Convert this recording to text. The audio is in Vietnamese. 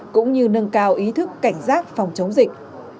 cũng như nâng cao ý thức cảnh giác phòng chống dịch